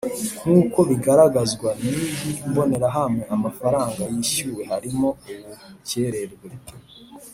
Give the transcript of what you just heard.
Nk uko bigaragazwa n iyi mbonerahamwe amafaranga yishyuwe harimo ubukererwe